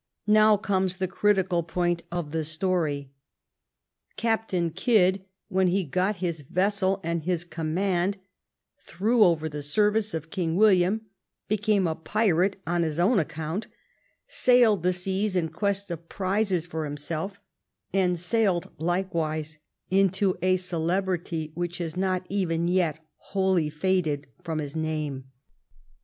Now comes the critical point of the story. Captain Kidd, when he got his vessel and his command, threw over the service of King William, became a pirate on his own account, sailed the seas in quest of prizes for him self, and sailed likewise into a celebrity which has not even yet wholly faded from his name.